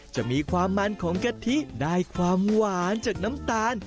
จะมีความมันของกะทิได้ความหวานจากน้ำตาล